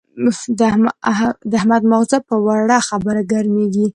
د احمد ماغزه په وړه خبره ګرمېږي.